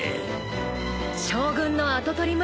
［将軍の跡取り